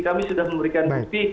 kami sudah memberikan bukti